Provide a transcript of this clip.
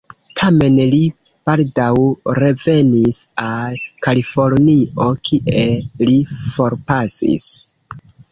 Tamen, li baldaŭ revenis al Kalifornio, kie li forpasis.